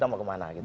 mau kemana gitu